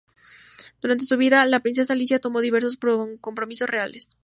Durante su vida, la princesa Alicia tomó diversos compromisos reales.